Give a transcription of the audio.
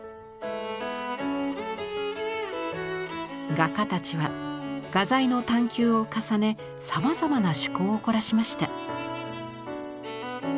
画家たちは画材の探求を重ねさまざまな趣向を凝らしました。